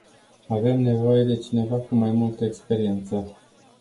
Avem nevoie de cineva cu mai multă experiență.